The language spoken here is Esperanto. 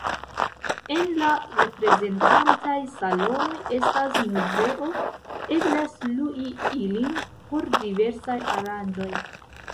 En la reprezentantaj salonoj estas muzeo; eblas lui ilin por diversaj aranĝoj.